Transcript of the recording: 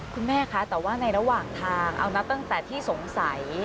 คุณแม่คะแต่ว่าในระหว่างทางเอานับตั้งแต่ที่สงสัย